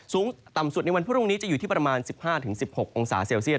สูงต่ำสุดในวันพรุ่งนี้จะอยู่ที่ประมาณ๑๕๑๖องศาเซลเซียต